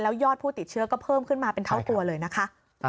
ยอดผู้ติดเชื้อก็เพิ่มขึ้นมาเป็นเท่าตัวเลยนะคะ